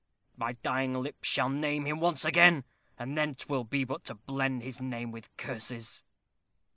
My dying lips shall name him once again, and then 'twill be but to blend his name with curses."